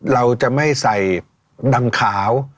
เราจะไม่ใส่ดำขาว